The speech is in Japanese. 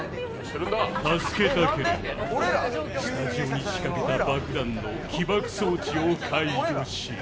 助けたければスタジオに仕掛けた爆弾の起爆装置を解除しろ。